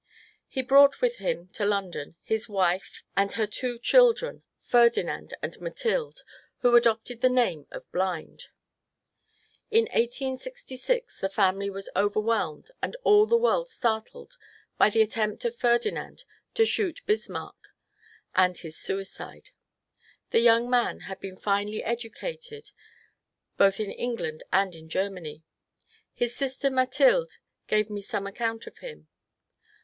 He brought with him to London his wife and her two 68 MONCURE DANIEL CONWAY children, Ferdinand and Mathilde, who adopted the name of Blind. In 1866 the family was overwhelmed and all the world startled by the attempt of Ferdinand to shoot Bismarck, and his suicide. The young man had been finely educated both in England and in Germany. His sister Mathilde gave me some account of him.